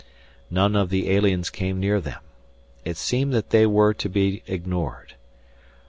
None of the aliens came near them. It seemed that they were to be ignored.